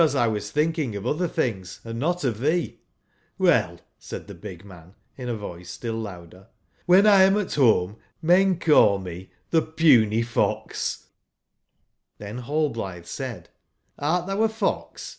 was thinking of other things and not of thee "j^" (Hell/' said tbe big man, in a voice still louder, "when 1 am at home men call me tbe puny f ox/Xhen Hallblithe said :" Hrt thou a fox